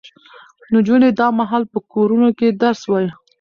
نجونې دا مهال په کورونو کې درس وايي.